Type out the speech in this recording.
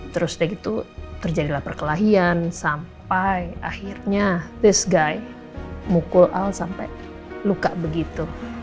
terus setelah itu terjadilah perkelahian sampai akhirnya this guy mukul el sampai luka begitu